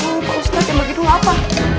aduh pak usnat yang bagi dulu apa